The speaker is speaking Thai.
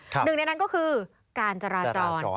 หนึ่งในนั้นก็คือการจราจร